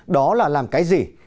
đó là làm cái gì